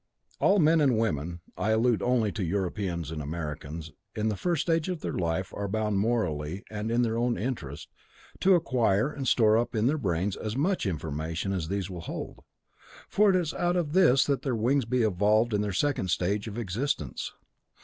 All men and women I allude only to Europeans and Americans in the first stage of their life are bound morally, and in their own interest, to acquire and store up in their brains as much information as these will hold, for it is out of this that their wings will be evolved in their second stage of existence.